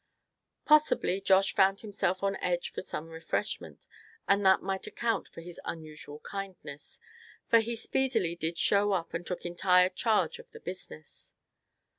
Possibly Josh found himself on edge for some refreshment, and that might account for his unusual kindness; for he speedily did show up, and took entire charge of the business.